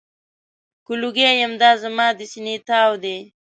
که لوګی یم، دا زما د سینې تاو دی.